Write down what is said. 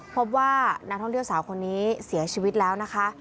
พบว่านักท่องเที่ยวสาวคนนี้เสียชีวิตแล้วนะคะ